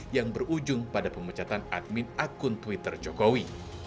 yang berujung pada pemecatan admin akun twitter jokowi